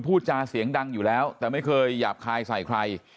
พูดจาเสียงดังอยู่แล้วแต่ไม่เคยหยาบคายใส่ใคร